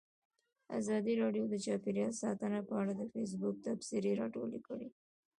ازادي راډیو د چاپیریال ساتنه په اړه د فیسبوک تبصرې راټولې کړي.